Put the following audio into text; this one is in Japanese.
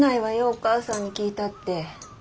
お母さんに聞いたって。